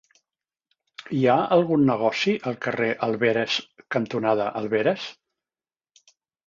Hi ha algun negoci al carrer Alberes cantonada Alberes?